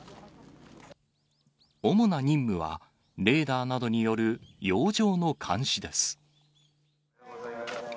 主な任務は、レーダーなどによる洋上の監視です。